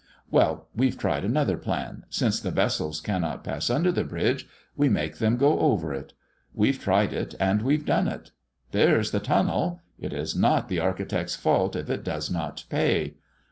Well, we've tried another plan; since the vessels cannot pass under the bridge, we make them go over it. We've tried it, and we've done it. There's the tunnel! It is not the architect's fault if it does not pay.